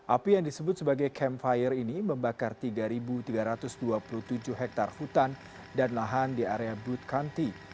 api yang disebut sebagai campire ini membakar tiga tiga ratus dua puluh tujuh hektare hutan dan lahan di area booth county